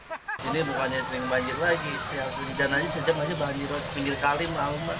ini bukannya sering banjir lagi yang sering banjir lagi sejak banjir di pinggir kalim